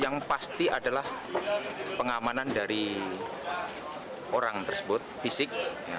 yang pasti adalah pengamanan dari orang tersebut fisik